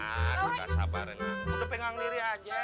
nah udah sabar enak udah pengang diri aja